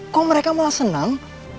kok mereka mau senang